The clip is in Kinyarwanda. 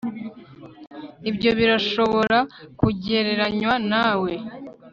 ibyo birashobora kugereranywa nawe